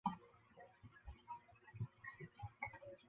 蒙巴尔东人口变化图示